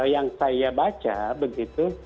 yang saya baca begitu